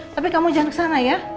tapi kamu jangan kesana ya